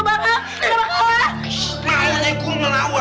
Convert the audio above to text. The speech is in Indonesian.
dengar lu mau pindah kemana